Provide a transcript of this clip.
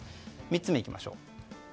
３つめにいきましょう。